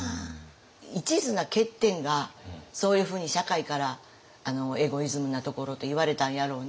いちずな欠点がそういうふうに社会からエゴイズムなところといわれたんやろうな。